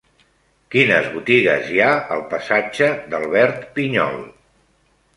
Quines botigues hi ha al passatge d'Albert Pinyol?